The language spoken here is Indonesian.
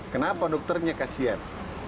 kenapa dokternya kasian